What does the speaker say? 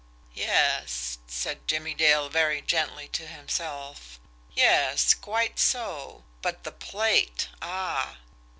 "Yes," said Jimmie Dale very gently to himself. "Yes, quite so but the plate? Ah!"